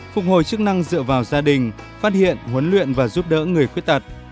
phục hồi chức năng dựa vào gia đình phát hiện huấn luyện và giúp đỡ người khuyết tật